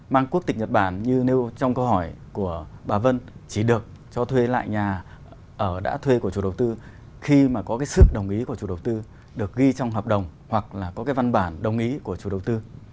mang quốc tịch nhật bản như nếu trong câu hỏi của bà vân chỉ được cho thuê lại nhà ở đã thuê của chủ đầu tư khi mà có cái sức đồng ý của chủ đầu tư được ghi trong hợp đồng hoặc là có cái văn bản đồng ý của chủ đầu tư